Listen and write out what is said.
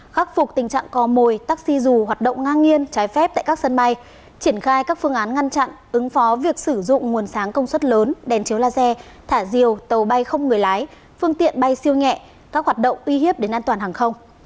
khắc phục tình trạng co mồi taxi dù hoạt động ngang nhiên trái phép tại các sân bay triển khai các phương án ngăn chặn ứng phó việc sử dụng nguồn sáng công suất lớn đèn chiếu laser thả diều tàu bay không người lái phương tiện bay siêu nhẹ các hoạt động uy hiếp đến an toàn hàng không